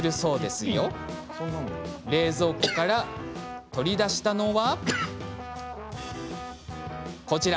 冷蔵庫から取り出したのはこちら。